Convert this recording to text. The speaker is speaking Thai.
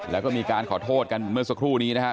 แล้วก็มีการขอโทษกันเมื่อสักครู่นี้นะครับ